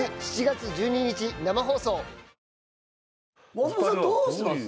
松本さんどうしてます？